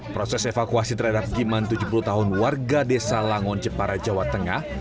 proses evakuasi terhadap giman tujuh puluh tahun warga desa langon jepara jawa tengah